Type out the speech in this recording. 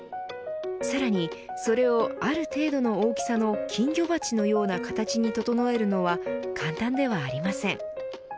さらに、それをある程度の大きさの金魚鉢のような形に整えるのは簡単ではありません。